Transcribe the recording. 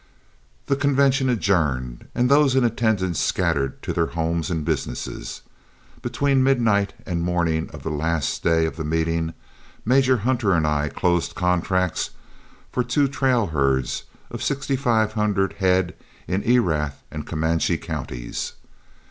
The convention adjourned, and those in attendance scattered to their homes and business. Between midnight and morning of the last day of the meeting, Major Hunter and I closed contracts for two trail herds of sixty five hundred head in Erath and Comanche counties.